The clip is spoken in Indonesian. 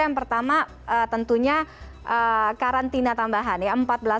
yang pertama tentunya karantina tambahan ya